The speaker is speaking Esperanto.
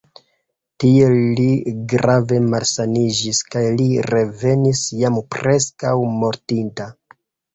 Tie li grave malsaniĝis kaj li revenis jam preskaŭ mortinta.